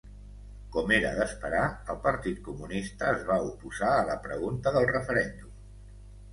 Com era d'esperar, el Partit Comunista es va oposar a la pregunta del referèndum.